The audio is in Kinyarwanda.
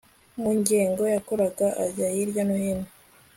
mu ngendo yakoraga ajya hirya no hino